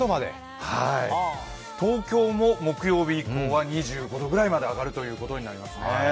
東京も木曜日以降は２５度くらいまで上がるということになりますね。